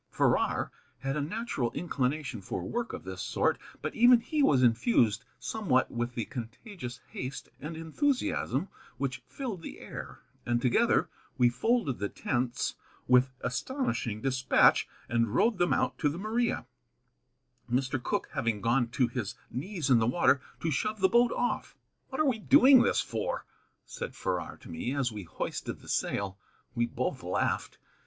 Farrar had a natural inclination for work of this sort, but even he was infused somewhat with the contagious haste and enthusiasm which filled the air; and together we folded the tents with astonishing despatch and rowed them out to the Maria, Mr. Cooke having gone to his knees in the water to shove the boat off. "What are we doing this for?" said Farrar to me, as we hoisted the sail. We both laughed.